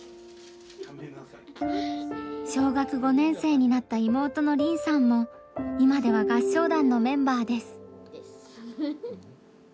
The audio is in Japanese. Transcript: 小学５年生になった妹の凛さんも今では合唱団のメンバーです。